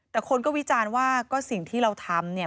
แต่คนก็วิจารณ์ว่าก็สิ่งที่เราทำเนี่ย